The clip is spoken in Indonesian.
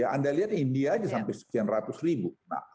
anda lihat india aja sampai sekian ratus ribu